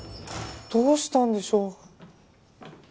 どうしたんでしょう？